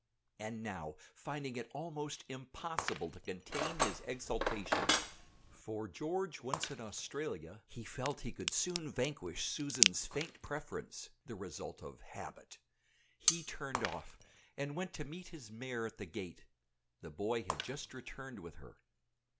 And now, finding it almost impossible to contain his exultation for George once in Australia he felt he could soon vanquish Susan's faint preference, the result of habit he turned off, and went to meet his mare at the gate; the boy had just returned with her.